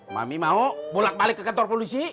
mami mau bolak balik ke kantor polisi